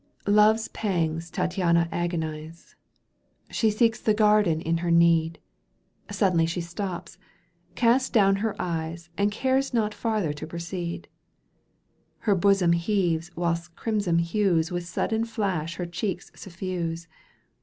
Love's pangs Tattiana agonize. She seeks the garden in her need — Sudden she stops, casts down her eyes And cares not farther to proceed ; Her bosom heaves whilst crimson hues "With sudden flush her cheeks suffiise.